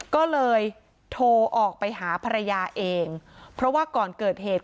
ก็เลยโทรออกไปหาภรรยาเองเพราะว่าก่อนเกิดเหตุ